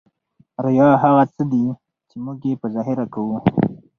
ریا هغه څه دي ، چي موږ ئې په ظاهره کوو.